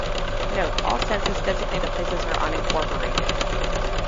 Note: All census-designated places are unincorporated.